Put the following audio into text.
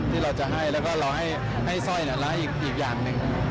ที่เราจะให้แล้วก็รอให้สร้อยร้ายอีกอย่างหนึ่ง